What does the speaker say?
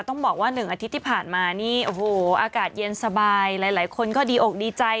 ต้องบอกว่า๑อาทิตย์ที่ผ่านมานี่โอ้โหอากาศเย็นสบายหลายคนก็ดีอกดีใจ